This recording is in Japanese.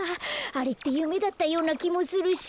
あれってゆめだったようなきもするし。